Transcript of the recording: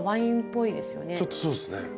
ちょっとそうですね。